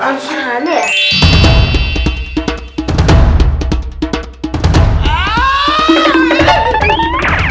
anjir ada ya